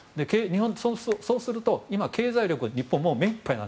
そうすると今、経済力は日本はめいっぱい。